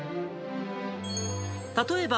例えば、